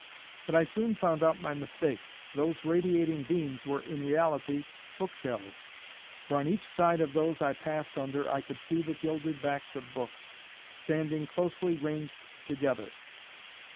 But I soon found out my mistake. Those radiating beams were in reality book shelves. For on each side of those I passed under I could see the gilded backs of books standing closely ranged together.